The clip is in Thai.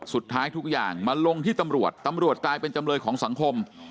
ทุกอย่างมาลงที่ตำรวจตำรวจกลายเป็นจำเลยของสังคม